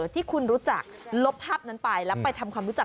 ที่คุณรู้จักลบภาพนั้นไปแล้วไปทำความรู้จัก